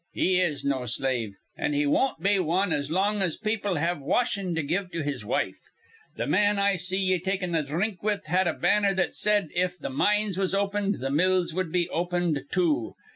He is no slave, an' he won't be wan as long as people have washin' to give to his wife. Th' man I see ye takin' a dhrink with had a banner that said if th' mines was opened th' mills would be opened, too.